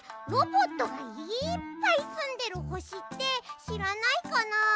ロボットがいっぱいすんでるほしってしらないかな？